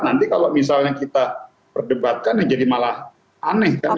nanti kalau misalnya kita perdebatkan ya jadi malah aneh kan